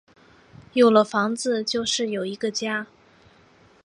有了房子就是有一个家